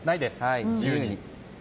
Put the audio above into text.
自由に。